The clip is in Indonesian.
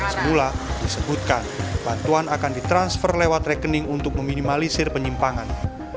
semula disebutkan bantuan akan ditransfer lewat rekening untuk meminimalisir penyimpangan